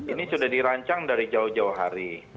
ini sudah dirancang dari jauh jauh hari